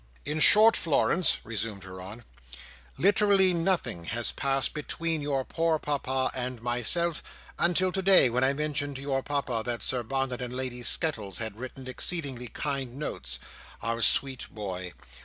"In short, Florence," resumed her aunt, "literally nothing has passed between your poor Papa and myself, until today; when I mentioned to your Papa that Sir Barnet and Lady Skettles had written exceedingly kind notes—our sweet boy!